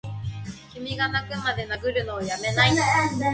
君がッ泣くまで殴るのをやめないッ！